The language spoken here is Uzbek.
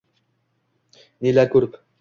Nelar ko’rib